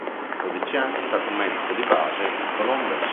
Per dodici anni è stato medico di base a Colombes.